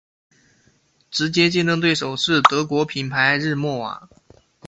直接竞争对手是德国品牌日默瓦。